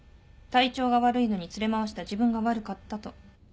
「体調が悪いのに連れ回した自分が悪かった」と。